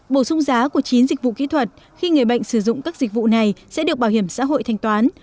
bổ sung giá của chín dịch vụ kỹ thuật khi người bệnh sử dụng các dịch vụ này sẽ được bảo hiểm xã hội thanh toán